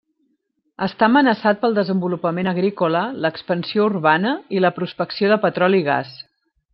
Està amenaçat pel desenvolupament agrícola, l'expansió urbana i la prospecció de petroli i gas.